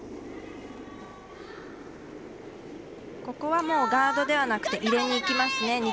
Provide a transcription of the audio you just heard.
ここはもうガードではなく入れにいきますね。